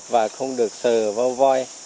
và không được sờ vào voi